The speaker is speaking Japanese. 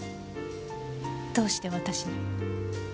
どうして私に？